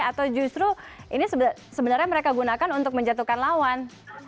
atau justru ini sebenarnya mereka gunakan untuk menjatuhkan lawan